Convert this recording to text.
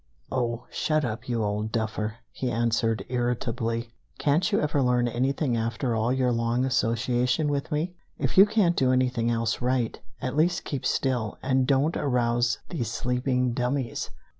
"Oh, shut up, you old duffer!" he answered irritably. "Can't you ever learn anything after all your long association with me? If you can't do anything else right, at least keep still, and don't arouse these sleeping dummies."